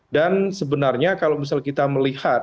dan sebenarnya kalau misalnya kita melihat